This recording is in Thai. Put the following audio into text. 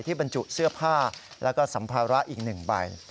ที่บรรจุเสื้อผ้าและสำภาระอีกหนึ่งใบ